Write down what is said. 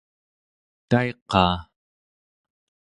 taiqaa